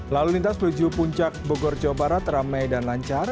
lalu lintas menuju puncak bogor jawa barat ramai dan lancar